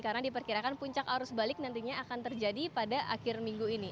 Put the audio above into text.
karena diperkirakan puncak arus balik nantinya akan terjadi pada akhir minggu ini